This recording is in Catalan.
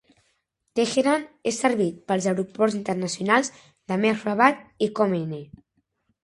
Teheran és servit pels aeroports internacionals de Mehrabad i Khomeini.